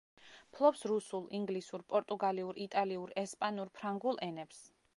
ფლობს რუსულ, ინგლისურ, პორტუგალიურ, იტალიურ, ესპანურ, ფრანგულ ენებს.